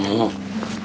aku udah sarapan